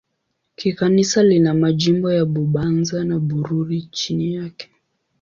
Kikanisa lina majimbo ya Bubanza na Bururi chini yake.